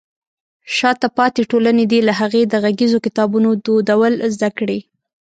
شاته پاتې ټولنې دې له هغې د غږیزو کتابونو دودول زده کړي.